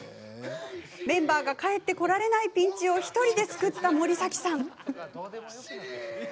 メンバーが帰って来られないピンチを１人で救った森崎さん。